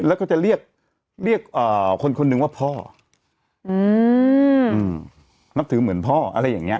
แล้วก็จะเรียกคนคนหนึ่งว่าพ่อนับถือเหมือนพ่ออะไรอย่างนี้